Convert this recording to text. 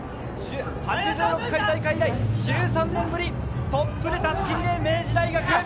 ８６回大会以来１３年ぶり、トップで襷リレー、明治大学。